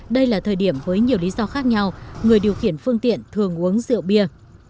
đây là thời điểm với nhiều lý do khác nhau người điều khiển phương tiện thường uống rượu bia